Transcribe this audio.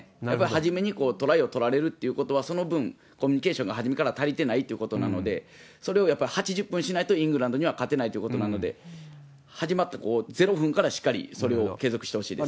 初めにトライを取られるってことは、その分コミュニケーションが初めから足りてないってことなので、それをやっぱり８０分しないと、イングランドには勝てないということなので、始まった０分からしっかりそれを継続してほしいです。